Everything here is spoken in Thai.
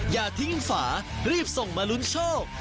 อย่าทิ้งฝารีบส่งมาลุ้นโชค